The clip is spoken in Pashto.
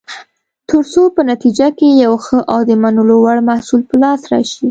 ترڅو په نتیجه کې یو ښه او د منلو وړ محصول په لاس راشي.